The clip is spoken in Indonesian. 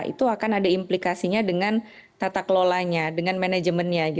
itu akan ada implikasinya dengan tata kelolanya dengan manajemennya